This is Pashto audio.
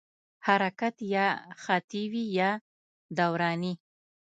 حرکت یا خطي وي یا دوراني.